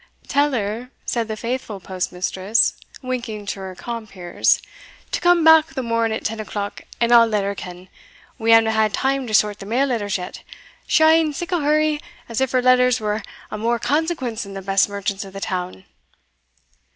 "Tell her," said the faithful postmistress, winking to her compeers, "to come back the morn at ten o'clock, and I'll let her ken we havena had time to sort the mail letters yet she's aye in sic a hurry, as if her letters were o' mair consequence than the best merchant's o' the town."